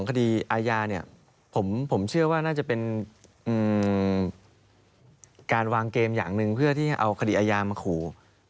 คดีอาญาเนี่ยผมเชื่อว่าน่าจะเป็นการวางเกมอย่างหนึ่งเพื่อที่จะเอาคดีอาญามาขู่